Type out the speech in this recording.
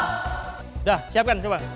sudah siapkan coba